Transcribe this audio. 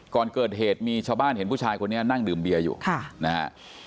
ก่อนเกิดเหตุมีชาวบ้านเห็นผู้ชายคนนี้นั่งดื่มเบียร์อยู่นะฮะ